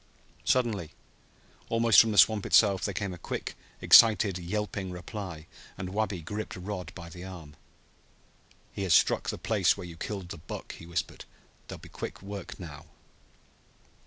Suddenly, almost from the swamp itself, there came a quick, excited, yelping reply, and Wabi gripped Rod by the arm. "He has struck the place where you killed the buck," he whispered. "There'll be quick work now!"